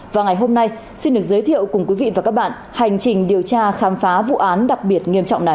và ngày hôm nay xin được giới thiệu cùng quý vị và các bạn hành trình điều tra khám phá vụ án đặc biệt nghiêm trọng này